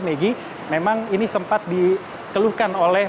megi memang ini sempat dikeluhkan oleh